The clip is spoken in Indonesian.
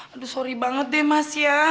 aduh sorry banget deh mas ya